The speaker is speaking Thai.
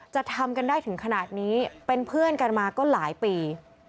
จะทำกันได้ถึงขนาดนี้เป็นเพื่อนกันมาก็หลายปี